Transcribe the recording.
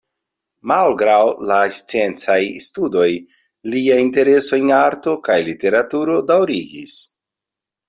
Malgraŭ la sciencaj studoj, lia intereso en arto kaj literaturo daŭrigis.